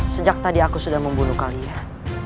sejak tadi aku sudah membunuh kalian